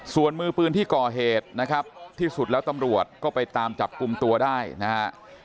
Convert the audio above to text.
ส่วนมือปืนที่ก่อเหตุนะครับที่สุดแล้วตำรวจก็ไปตามจับกลุ่มตัวได้นะฮะ